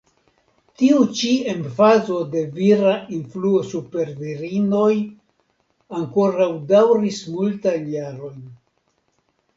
Tiu ĉi emfazo de vira influo super virinoj ankoraŭ daŭris multajn jarojn.